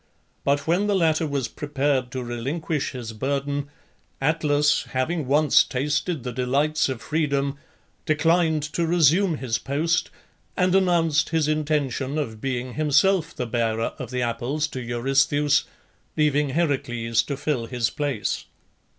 But when the latter was prepared to relinquish his burden, Atlas, having once tasted the delights of freedom, declined to resume his post, and announced his intention of being himself the bearer of the apples to Eurystheus, leaving Heracles to fill his place.